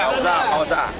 tak usah tak usah